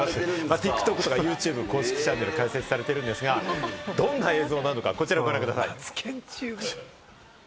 ＴｉｋＴｏｋとかＹｏｕＴｕｂｅ公式チャンネルも開設されていますが、どんな映像なのか、こちらをご覧ください。